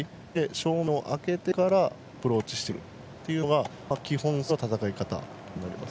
正面を空けてからアプローチするというのが基本筋の戦い方にはなります。